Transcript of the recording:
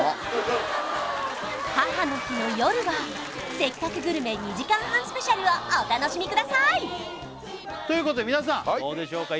母の日の夜はせっかくグルメ２時間半スペシャルをお楽しみくださいということで皆さんどうでしょうか？